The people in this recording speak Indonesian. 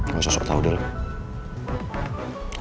lo susah tau dulu